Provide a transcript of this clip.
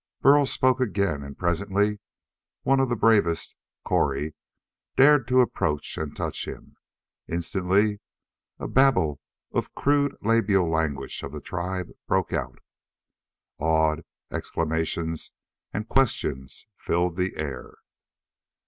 Burl spoke again and presently one of the bravest Cori dared to approach and touch him. Instantly a babble of the crude labial language of the tribe broke out. Awed exclamations and questions filled the air.